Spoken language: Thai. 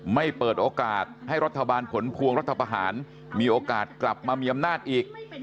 เปิดโอกาสให้รัฐบาลผลพวงรัฐประหารมีโอกาสกลับมามีอำนาจอีก